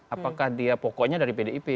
apakah dia pokoknya dari pdip